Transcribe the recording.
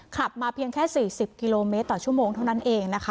ขับมาเพียงแค่๔๐กิโลเมตรต่อชั่วโมงเท่านั้นเองนะคะ